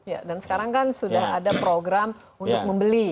ya dan sekarang kan sudah ada program untuk membeli